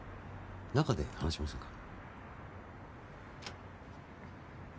中で話しませんか？